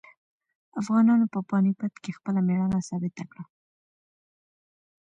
افغانانو په پاني پت کې خپله مېړانه ثابته کړه.